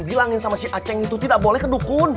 bilangin sama si aceng itu tidak boleh kedukun